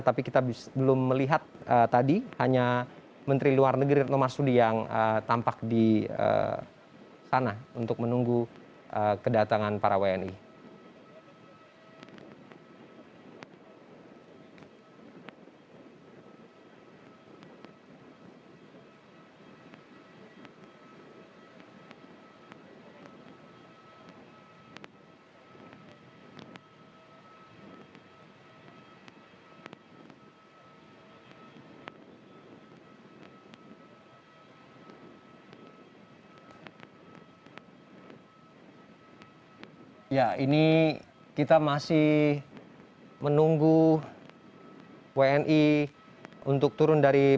tapi kita belum melihat tadi